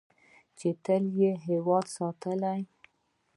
چې تل یې هیواد ساتلی.